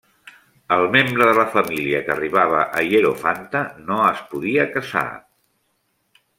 El membre de la família que arribava a hierofanta no es podia casar.